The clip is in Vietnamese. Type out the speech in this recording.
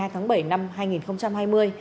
một mươi hai tháng bảy năm hai nghìn hai mươi